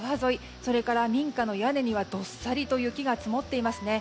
それから民家の屋根にはどっさりと雪が積もっていますね。